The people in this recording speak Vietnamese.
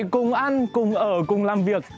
cùng ăn cùng ở cùng làm việc